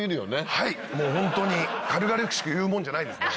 はいもうホントに軽々しく言うもんじゃないですね。